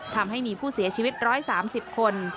ทำให้มีผู้เสียชีวิต๑๓๐คน